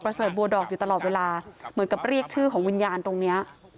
เสิร์ตบัวดอกอยู่ตลอดเวลาเหมือนกับเรียกชื่อของวิญญาณตรงนี้